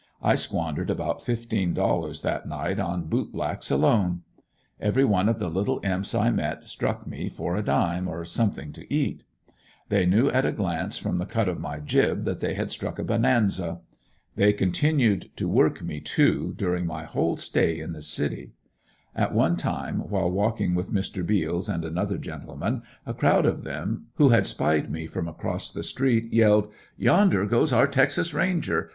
I squandered about fifteen dollars that night on boot blacks alone. Every one of the little imps I met struck me for a dime, or something to eat. They knew, at a glance, from the cut of my jib, that they had struck a bonanza. They continued to "work" me too, during my whole stay in the city. At one time, while walking with Mr. Beals and another gentleman, a crowd of them who had spied me from across the street, yelled "Yonder goes our Texas Ranger!